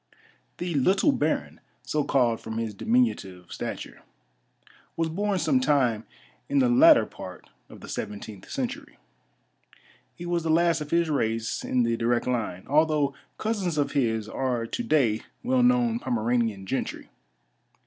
The "Little Baron," so called from his diminutive stature, was born some time in the latter part of the seventeenth century. He was the last of his race in the direct line, although cousins of his are to day well known Pomeranian gentry.